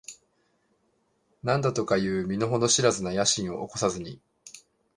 何だとかいう身の程知らずな野心を起こさずに、